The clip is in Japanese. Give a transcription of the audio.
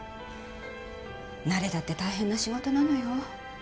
なれたって大変な仕事なのよ？